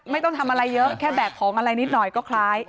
ไม่ต้องทำอะไรเยอะแค่แบกของอะไรนิดหน่อยก็คล้าย